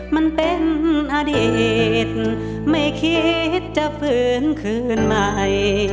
มันเป็นอดีตไม่คิดจะฝืนคืนใหม่